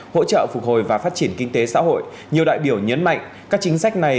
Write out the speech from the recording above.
hỗ trợ phục hồi và phát triển kinh tế xã hội nhiều đại biểu nhấn mạnh các chính sách này